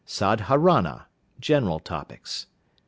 Sadharana (general topics).